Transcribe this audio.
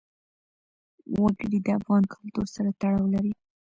وګړي د افغان کلتور سره تړاو لري.